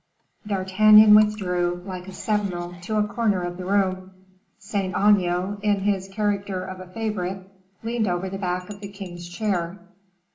D'Artagnan withdrew, like a sentinel, to a corner of the room; Saint Aignan, in his character of a favorite, leaned over the back of the king's chair.